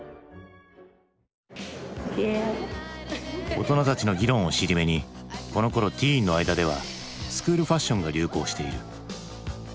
大人たちの議論を尻目にこのころティーンの間ではスクールファッションが流行している。